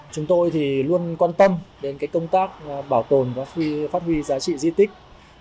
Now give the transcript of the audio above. chúng tôi luôn quan tâm đến công tác bảo tồn và phát huy giá trị di tích